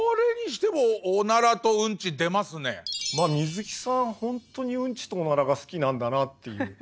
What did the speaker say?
まあ水木さんほんとにうんちとおならが好きなんだなっていう。